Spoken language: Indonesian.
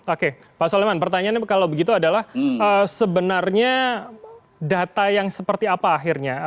oke pak soleman pertanyaannya kalau begitu adalah sebenarnya data yang seperti apa akhirnya